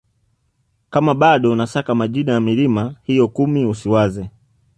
Kama bado unasaka majina ya milima hiyo kumi usiwaze